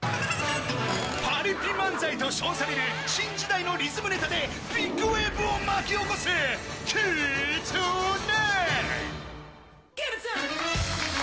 パリピ漫才と称される新時代のリズムネタで、ビッグウェーブを巻き起こせ、きつね。